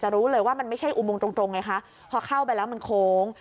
รู้เลยว่ามันไม่ใช่อุโมงตรงตรงไงคะพอเข้าไปแล้วมันโค้ง